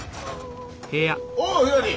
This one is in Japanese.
おうひらり！